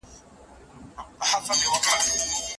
یوه ورځ ګورې چي ولاړ سي له جهانه